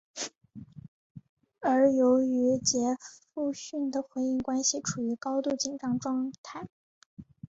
而由于杰佛逊的婚姻关系处于高度紧张状态。